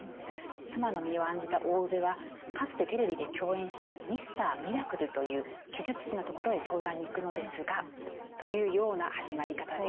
妻の身を案じた大生部はかつてテレビで共演したミスター・ミラクルという奇術師のところへ相談に行くのですがというような始まり方です。